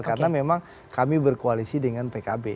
karena memang kami berkoalisi dengan pkb